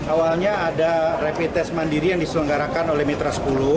awalnya ada rapid test mandiri yang diselenggarakan oleh mitra sepuluh